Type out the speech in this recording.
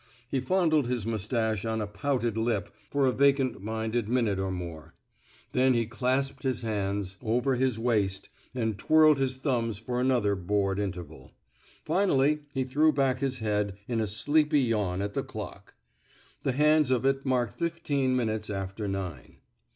He fondled his mustache on a pouted lip for a vacant minded minute or more. Then he clasped his hands over his waist and twirled his thumbs for another bored interval. Finally he ,threw back his head in a sleepy yawn at the clock. The hands of it marked fifteen minutes after nine.